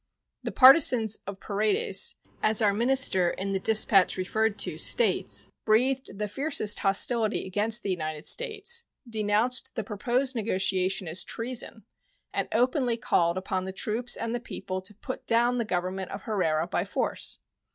The partisans of Paredes, as our minister in the dispatch referred to states, breathed the fiercest hostility against the United States, denounced the proposed negotiation as treason, and openly called upon the troops and the people to put down the Government of Herrera by force.